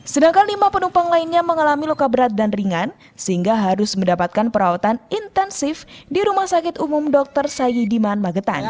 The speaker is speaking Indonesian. sedangkan lima penumpang lainnya mengalami luka berat dan ringan sehingga harus mendapatkan perawatan intensif di rumah sakit umum dr sayyidiman magetan